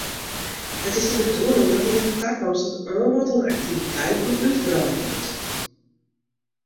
It is de bedoeling dat yn 'e takomst it oanbod oan aktiviteiten útwreide wurdt.